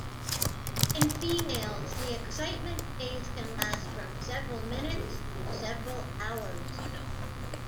In females, the excitement phase can last from several minutes to several hours.